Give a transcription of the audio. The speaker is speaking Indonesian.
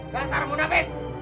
gak usah remunafik